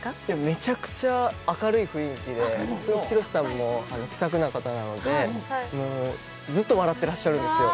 めちゃうちゃ明るい雰囲気で広瀬さんも気さくな方なのでずっと笑ってらっしゃるんですよ。